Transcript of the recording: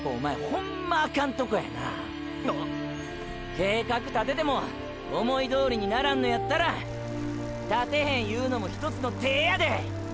⁉計画立てても思いどおりにならんのやったら立てへんいうのもひとつの手やで。